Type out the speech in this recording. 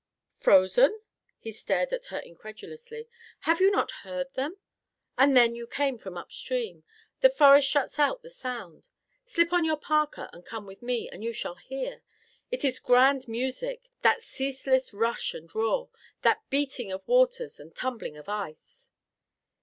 "Frozen?" he stared at her incredulously. "Have you not heard them? Ah, then, you came from up stream. The forest shuts out the sound. Slip on your parka and come with me, and you shall hear. It is grand music, that ceaseless rush and roar, that beating of waters and tumbling of ice."